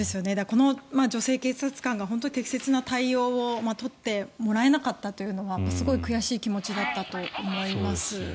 この女性警察官が本当に適切な対応を取ってもらえなかったというのはすごく悔しい気持ちだったと思います。